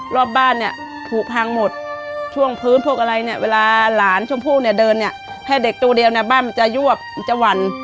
โลกบ้านอีกผูพังหมดช่วงพื้นพวกอะไรเนี่ยเวลาหลานชมพูเนี่ยเดินอย่างแทบให้เด็กตูได้บ้านมันจะยอมจะหวั่น